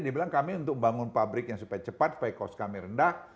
dia bilang kami untuk bangun pabrik yang supaya cepat pay cost kami rendah